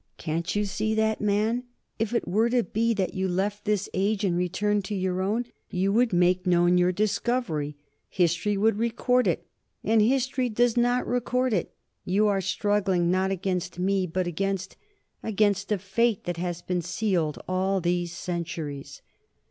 Can't you see that, man? If it were to be that you left this age and returned to your own, you would make known your discovery. History would record it. And history does not record it. You are struggling, not against me, but against against a fate that has been sealed all these centuries."